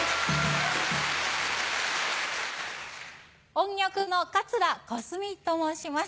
音曲の桂小すみと申します。